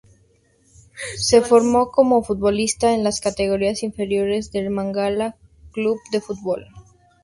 Se formó como futbolista en las categorías inferiores del Málaga Club de Fútbol.